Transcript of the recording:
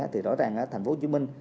thì rõ ràng thành phố hồ chí minh